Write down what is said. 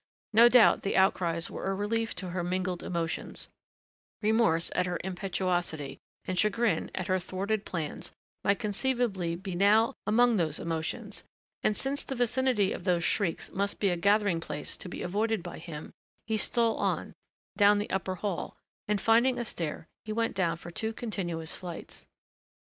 No doubt the outcries were a relief to her mingled emotions remorse at her impetuosity and chagrin that her thwarted plans might conceivably be now among those emotions and since the vicinity of those shrieks must be a gathering place to be avoided by him he stole on, down the upper hall, and finding a stair, he went down for two continuous flights.